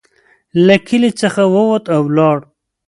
له کلي څخه ووت او ولاړ.